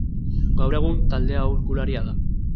Gaur egun talde aholkularia da.